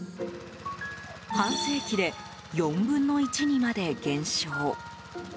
半世紀で４分の１にまで減少。